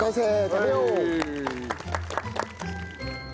食べよう！